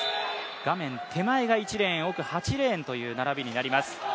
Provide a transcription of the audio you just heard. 画面手前が１レーン、奥８レーンという並びになります。